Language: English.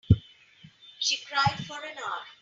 She cried for an hour.